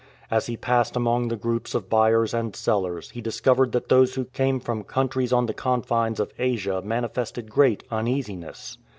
As he passed among the groups of buyers and sellers he discovered that those who came from countries on the confines of Asia manifested great uneasiness.